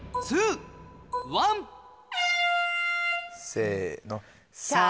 せの。